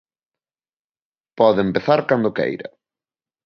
Pode empezar cando queira.